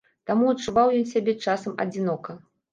Таму адчуваў ён сябе часам адзінока.